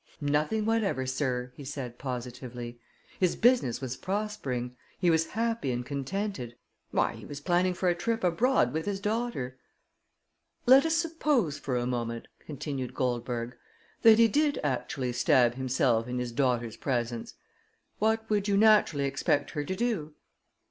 "Nothing whatever, sir," he said positively. "His business was prospering; he was happy and contented why, he was planning for a trip abroad with his daughter." "Let us suppose for a moment," continued Goldberg, "that he did actually stab himself in his daughter's presence; what would you naturally expect her to do?"